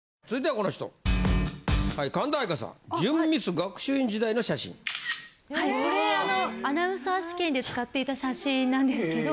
これあのアナウンサー試験で使っていた写真なんですけど。